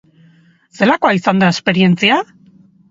Zelakoa izan da esperientzia?